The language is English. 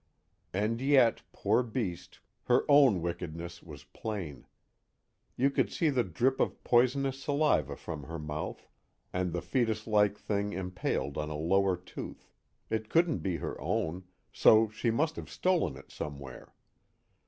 And yet, poor beast, her own wickedness was plain. You could see the drip of poisonous saliva from her mouth, and the fetuslike thing impaled on a lower tooth it couldn't be her own, so she must have stolen it somewhere.